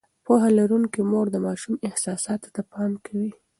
پوهه لرونکې مور د ماشوم احساساتو ته پام کوي.